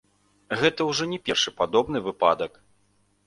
Гэта ўжо не першы падобны выпадак.